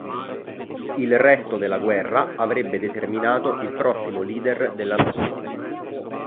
Il resto della guerra avrebbe determinato il prossimo leader della nazione.